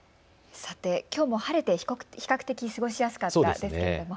さて、きょうも晴れて比較的過ごしやすかったですね。